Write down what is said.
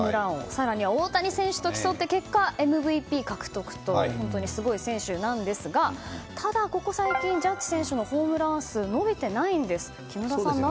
更には大谷選手と競った結果ＭＶＰ獲得と本当にすごい選手なんですがただ、ここ最近はジャッジ選手のホームラン数伸びていないんです。